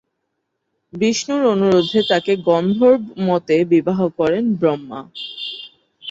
বিষ্ণুর অনুরোধে তাকে গন্ধর্ব মতে বিবাহ করেন ব্রহ্মা।